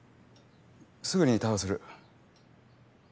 すぐに対応する。